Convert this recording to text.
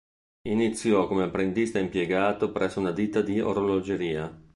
Iniziò come apprendista impiegato presso una ditta di orologeria.